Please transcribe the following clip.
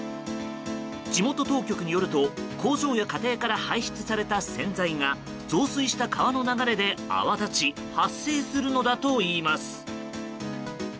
地元当局によると工場や家庭から排出された洗剤が増水した川の流れで泡立ち発生するのだといいます。